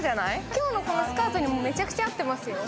今日のこのスカートにもめちゃめちゃ合ってますよ。